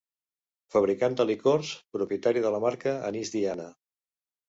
Fabricant de licors, propietari de la marca Anís Diana.